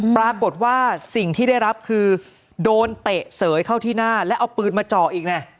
ปรากฏว่าสิ่งที่ได้รับคือโดนเตะเสยเข้าที่หน้าแล้วเอาปืนมาเจาะอีกนะ